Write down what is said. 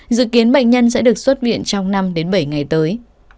dự kiến bệnh nhân sẽ được xuất viện trong năm đến bảy ngày tới